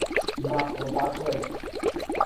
Ма, одакле су?